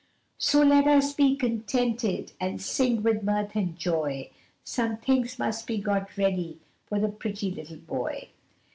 CHORUS. So let us be contented and sing with mirth and joy, Some things must be got ready for the pretty little boy.